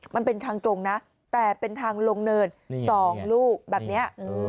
มันเป็นทางตรงนะแต่เป็นทางลงเนิน๒ลูกแบบนี้